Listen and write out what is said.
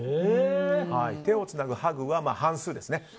手をつなぐ、ハグは半数ですね。